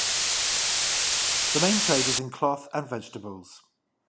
The main trade is in cloth and vegetables.